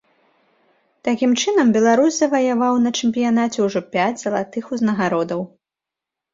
Такім чынам беларус заваяваў на чэмпіянаце ўжо пяць залатых узнагародаў.